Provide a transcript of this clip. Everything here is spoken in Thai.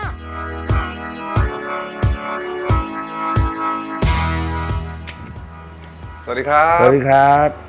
สวัสดีครับสวัสดีครับ